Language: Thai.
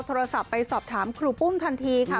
โทรศัพท์ไปสอบถามครูปุ้มทันทีค่ะ